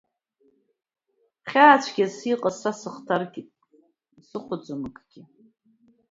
Хьаацәгьас иҟаз са сыхҭаркт, исыхәаӡом акгьы.